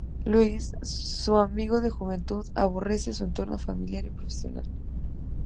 Luis, su amigo de juventud, aborrece su entorno familiar y profesional.